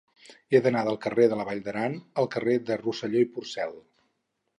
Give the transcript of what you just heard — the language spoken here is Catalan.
He d'anar del carrer de la Vall d'Aran al carrer de Rosselló i Porcel.